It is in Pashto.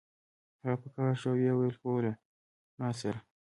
هغه په قهر شو او ویې ویل هو له ما سره